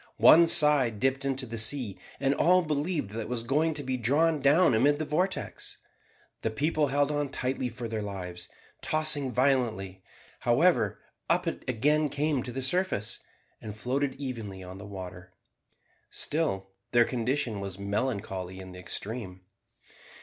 One side dipped into the sea, and all believed that it was going to be drawn down amid the vortex. The people held on tightly for their lives. Tossing violently, however, up it again came to the surface, and floated evenly on the water. Still their condition was melancholy in the extreme.